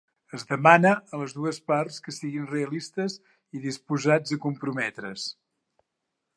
Es demana a les dues parts que siguin realistes i disposats a comprometre's.